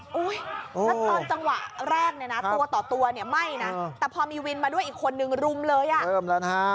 แล้วตอนจังหวะแรกตัวต่อตัวเนี่ยไม่นะแต่พอมีวินมาด้วยอีกคนนึงรุมเลยยะ